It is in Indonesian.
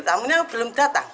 tamunya belum datang